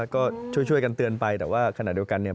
ก็ช่วยกันเตือนไปแต่ว่าขณะเดียวกันเนี่ย